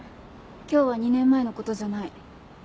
今日は２年前のことじゃない。